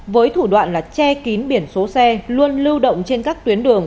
với thủ đoạn là che kín biển số xe luôn lưu động trên các tuyến đường